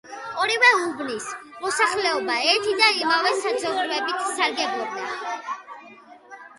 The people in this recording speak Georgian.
ორივე უბნის მოსახლეობა ერთი და იმავე საძოვრებით სარგებლობდა.